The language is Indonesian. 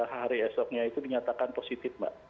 hari esoknya itu dinyatakan positif mbak